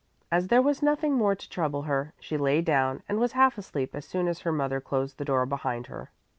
As there was nothing more to trouble her, she lay down and was half asleep as soon as her mother closed the door behind her.